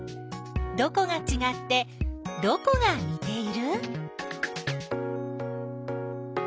どこがちがってどこがにている？